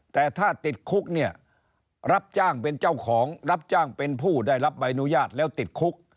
แต่ถ้าติดคุกเนี่ยรับจ้างเป็นเจ้าของรับจ้างเป็นผู้ได้รับใบอนุญาตแล้วติดคุก